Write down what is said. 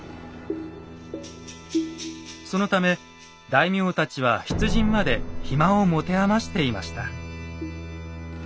そのため大名たちは出陣まで暇を持て余していました。